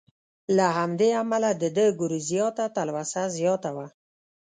له همدې امله د ده ګورېزیا ته تلوسه زیاته وه.